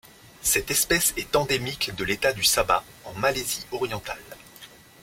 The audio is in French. Cette espèce est endémique de l'État du Sabah en Malaisie orientale.